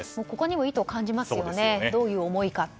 ここにも意図を感じますねどういう思いか。